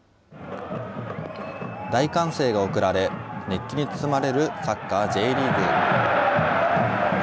大歓声が送られ、熱気に包まれるサッカーＪリーグ。